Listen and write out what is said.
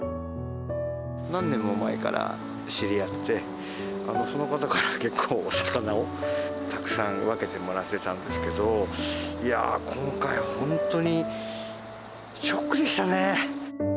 何年も前から知り合って、その方から結構、お魚をたくさん分けてもらってたんですけど、いやー、今回は本当にショックでしたね。